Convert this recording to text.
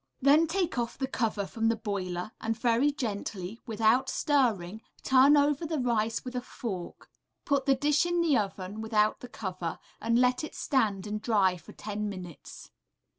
Then take off the cover from the boiler, and very gently, without stirring, turn over the rice with a fork; put the dish in the oven without the cover, and let it stand and dry for ten minutes.